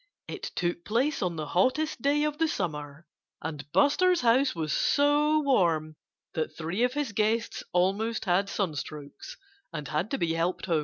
It took place on the hottest day of the summer. And Buster's house was so warm that three of his guests almost had sunstrokes and had to be helped home.